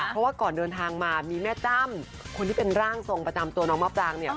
เพราะว่าก่อนเดินทางมามีแม่จ้ำคนที่เป็นร่างทรงประจำตัวน้องมะปรางเนี่ย